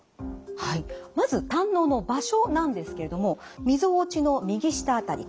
はいまず胆のうの場所なんですけれどもみぞおちの右下辺り